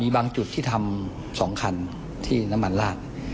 บางจุดที่ทำ๒คันที่น้ำมันลาด